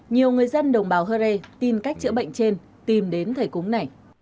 nhiều người dân đồng bào hơ rê tìm cách chữa bệnh trên tìm đến thầy cúng này